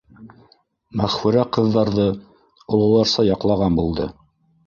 Мәғфүрә ҡыҙҙарҙы ололарса яҡлаған булды: